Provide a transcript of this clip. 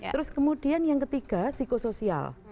terus kemudian yang ketiga psikosoial